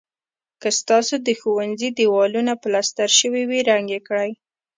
که ستاسو د ښوونځي دېوالونه پلستر شوي وي رنګ یې کړئ.